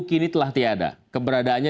kini telah tiada keberadaannya